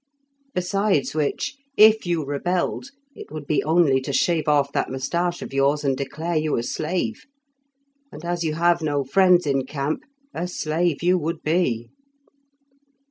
Besides which, if you rebelled, it would be only to shave off that moustache of yours, and declare you a slave, and as you have no friends in camp, a slave you would be."